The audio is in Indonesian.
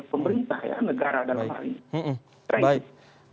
pemerintah ya negara dalam hal ini